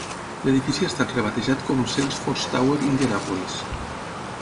L'edifici ha estat rebatejat com Salesforce Tower Indianapolis.